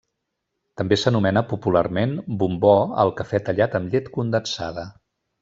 També s'anomena popularment bombó al cafè tallat amb llet condensada.